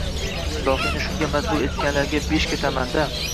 Dohiyni shunga majbur etganlarga besh ketaman-da!